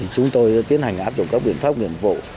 chúng tôi tiến hành áp đồng các biện pháp nguyện vụ